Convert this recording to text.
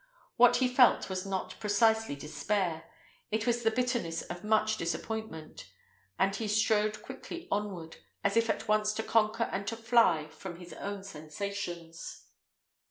What he felt was not precisely despair: it was the bitterness of much disappointment; and he strode quickly onward, as if at once to conquer and to fly from his own sensations.